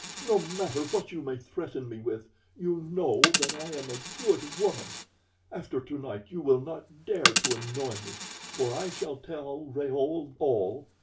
No matter what you may threaten me with, you know that I am a good woman. After tonight you will not dare to annoy me, for I shall tell Raoul all.